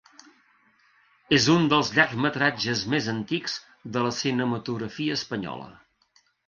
És un dels llargmetratges més antics de la cinematografia espanyola.